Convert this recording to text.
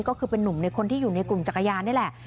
ก็คือเป็นนุ่มในคนที่อยู่ในกลุ่มจักรยานนี่แหละ